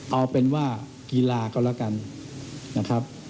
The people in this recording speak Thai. เอาเป็นว่ากีฬาก็แล้วกันนะครับ